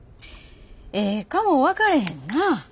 ええかも分かれへんな。